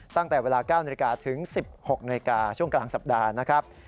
ตั้งแต่เวลา๙นถึง๑๖นช่วงกลางสัปดาห์นะครับ